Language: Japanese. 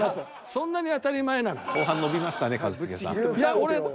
そんなに当たり前なの？